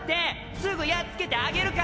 すぐやっつけてあげるから！